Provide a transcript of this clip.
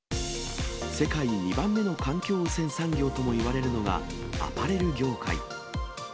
世界で２番目の環境汚染産業ともいわれるのが、アパレル業界。